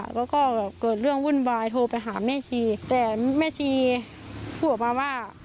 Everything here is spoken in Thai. แล้วก็เกิดเรื่องวุ่นวายโทรไปหาแม่ชีแต่แม่ชีพูดออกมาว่า